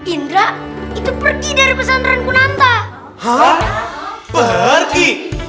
indra itu pergi dari pesantren punan tak hap pergi